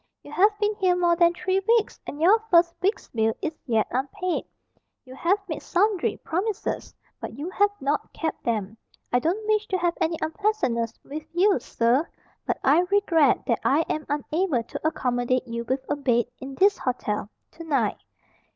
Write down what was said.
You have been here more than three weeks, and your first week's bill is yet unpaid. You have made sundry promises, but you have not kept them. I don't wish to have any unpleasantness with you, sir, but I regret that I am unable to accommodate you with a bed, in this hotel, to night."